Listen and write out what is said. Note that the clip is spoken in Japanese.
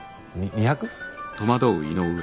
２００！？